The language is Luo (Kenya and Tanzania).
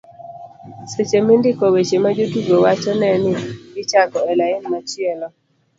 seche mindiko weche ma jotugo wacho, ne ni ichako e lain machielo